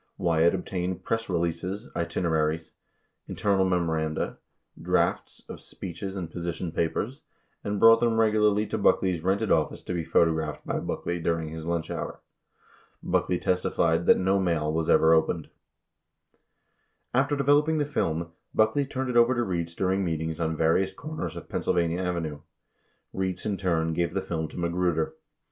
18 Wyatt obtained press releases, itineraries, inter nal memoranda, drafts of speeches and position papers, and brought them regularly to Buckley's rented office to be photographed by Buck ley during his lunch hour. Buckley testified that no mail was ever opened. 20 After developing the film, Buckley turned it over to Rietz during meetings on various corners of Pennsylvania Avenue. 21 Rietz in turn gave the film to Magruder.